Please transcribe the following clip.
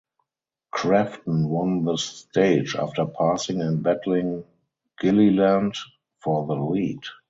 Crafton won the stage after passing and battling Gilliland for the lead.